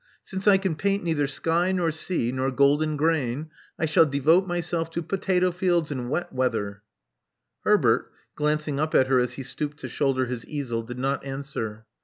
Since I can paint neither sky nor sea nor golden gfrain, I shall devote myself to potato fields in wet weather." Herbert, glancing up at her as he stooped to shoulder his easel, did not answer.